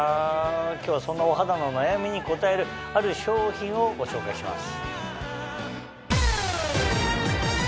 今日はそんなお肌の悩みに応えるある商品をご紹介します。